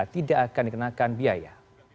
tidak akan dikenakan biaya